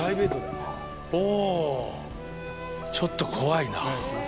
お、ちょっと怖いなあ。